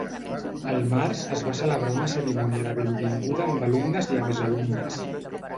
Al març es va celebrar una cerimònia de benvinguda amb alumnes i exalumnes.